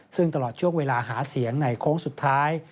ซึ่งตลอดช่วงเวลาหาเสียงในโค้งสุดท้าย